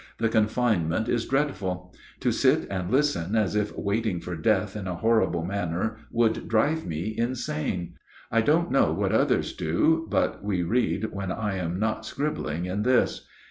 The confinement is dreadful. To sit and listen as if waiting for death in a horrible manner would drive me insane. I don't know what others do, but we read when I am not scribbling in this.